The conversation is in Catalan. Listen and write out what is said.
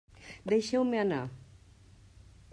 Deixeu-me anar!